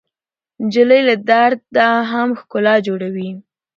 نجلۍ له درده هم ښکلا جوړوي.